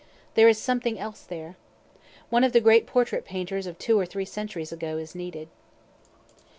There is something else there. One of the great portrait painters of two or three centuries ago is needed.